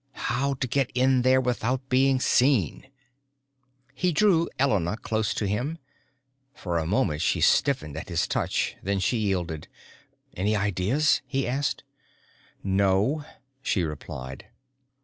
How to get in there without being seen? He drew Elena close to him. For a moment she stiffened at his touch, then she yielded. "Any ideas?" he asked. "No," she replied.